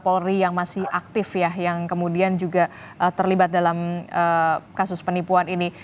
polri yang masih aktif ya yang kemudian juga terlibat dalam kasus penipuan ini